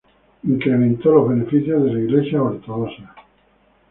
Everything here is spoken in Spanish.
Incremento los beneficios de la Iglesia ortodoxa.